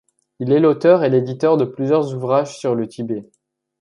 Il est l'auteur et l'éditeur de plusieurs ouvrages sur le Tibet.